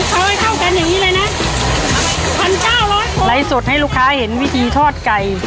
เขาให้เข้ากันอย่างงี้เลยนะพันเก้าร้อยไลฟ์สดให้ลูกค้าเห็นวิธีทอดไก่